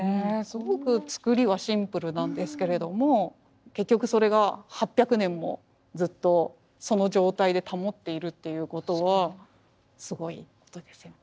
すごく作りはシンプルなんですけれども結局それが８００年もずっとその状態で保っているっていうことはすごいことですよね。